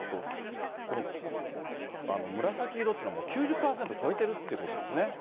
この紫色っていうのはもう９０％超えてるってことですね。